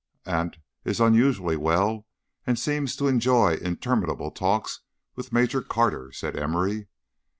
"Aunt is unusually well and seems to enjoy interminable talks with Major Carter," said Emory.